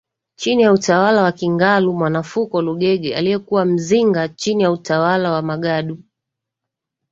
chini ya Utawala wa Kingalu Mwanafuko Lugege aliyekuwa Mzinga chini ya Utawala wa Magadu